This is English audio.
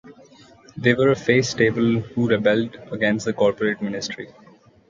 They were a face stable who rebelled against the Corporate Ministry.